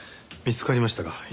見つかりましたか？